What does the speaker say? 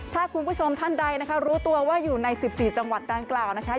ถ้าคุณผู้ชมท่านใดนะคะรู้ตัวว่าอยู่ใน๑๔จังหวัดดังกล่าวนะคะ